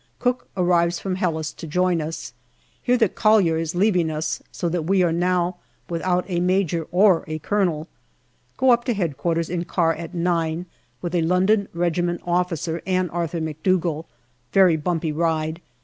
Cooke arrives from HeUes to join us. Hear that Collier is leaving us, so that we are now without a major or a colonel. Go up to H.Q. in car at nine, with a London Regiment officer and Arthur McDougall. Very bumpy ride.